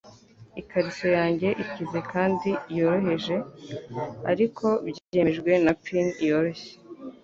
Ikariso yanjye ikize kandi yoroheje, ariko byemejwe na pin yoroshye -